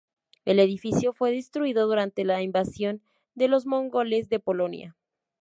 El edificio fue destruido durante la invasión de los mongoles de Polonia.